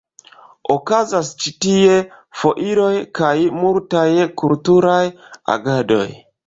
Okazas ĉi tie foiroj kaj multaj kulturaj agadoj.